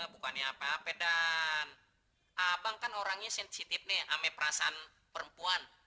bukannya apa apa dan abang kan orangnya sensitif nih ame perasaan perempuan